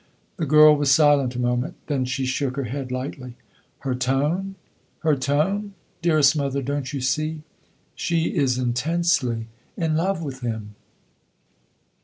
The girl was silent a moment; then she shook her head, lightly. "Her tone her tone? Dearest mother, don't you see? She is intensely in love with him!"